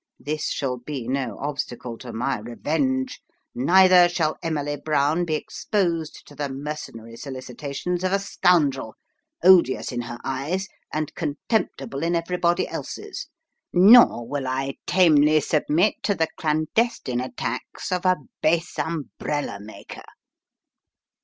This shall be no obstacle to my revenge. Neither shall Emily Brown be exposed to the mercenary solicitations of a scoundrel, odious in her eyes, and contemptible in everybody else's : nor will I tamely submit to the clandestine attacks of a base umbrella maker.